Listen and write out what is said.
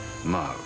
まあ